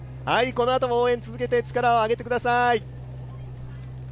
このあとも応援続けて力をあげてください。